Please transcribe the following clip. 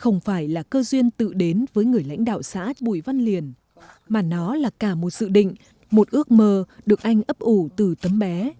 không phải là cơ duyên tự đến với người lãnh đạo xã bùi văn liền mà nó là cả một dự định một ước mơ được anh ấp ủ từ tấm bé